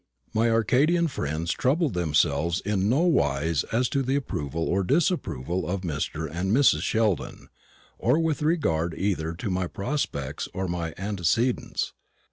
My Arcadian friends troubled themselves in nowise as to the approval or disapproval of Mr. and Mrs. Sheldon, or with regard either to my prospects or my antecedents.